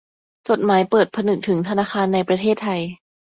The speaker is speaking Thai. จดหมายเปิดผนึกถึงธนาคารในประเทศไทย